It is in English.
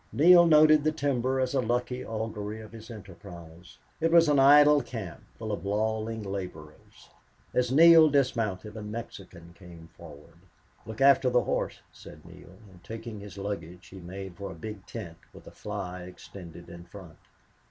Neale noted the timber as a lucky augury to his enterprise. It was an idle camp full of lolling laborers. As Neale dismounted a Mexican came forward. "Look after the horse," said Neale, and, taking his luggage, he made for a big tent with a fly extended in front.